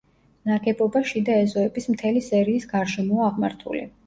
ნაგებობა შიდა ეზოების მთელი სერიის გარშემოა აღმართული.